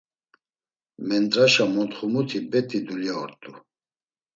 Mendraşa montxumuti bet̆i dulya ort̆u.